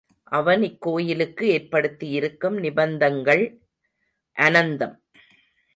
அவன் இக் கோயிலுக்கு ஏற்படுத்தியிருக்கும் நிபந்தங்கள் அனந்தம்.